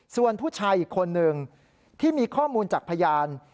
ส่วนผู้ชายอีกคนนึงที่มีข้อมูลจากพยาน